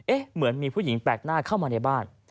เหมือนมีผู้หญิงแปลกหน้าเข้ามาในบ้าน